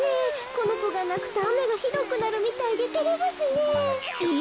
このこがなくとあめがひどくなるみたいでてれますねえ。